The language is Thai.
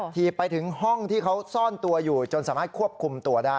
ทีบไปถึงห้องที่เขาซ่อนตัวอยู่จนสามารถควบคุมตัวได้